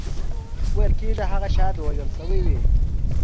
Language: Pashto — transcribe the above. ویل کېږي هغه شاید وژل شوی وي.